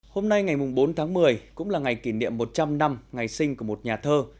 hôm nay ngày bốn tháng một mươi cũng là ngày kỷ niệm một trăm linh năm ngày sinh của một nhà thơ